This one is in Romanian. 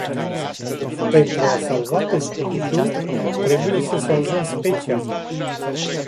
Pentru a salva pescuitul, trebuie să salvăm specia.